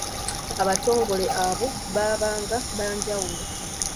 Abatongole abo baabanga banjawulo.